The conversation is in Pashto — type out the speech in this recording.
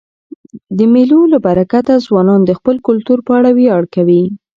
د مېلو له برکته ځوانان د خپل کلتور په اړه ویاړ کوي.